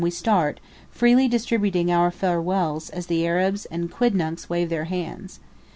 we start, freely distributing our farewells as the Arabs and quidnuncs wave their hands.